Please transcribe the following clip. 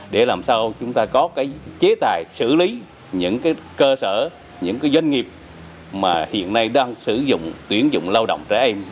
để làm sao chúng ta có cái chế tài xử lý những cơ sở những doanh nghiệp mà hiện nay đang sử dụng tuyển dụng lao động trẻ em